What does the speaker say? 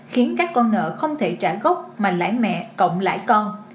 khiến các con nợ không thể trả gốc mà lãi mẹ cộng lãi con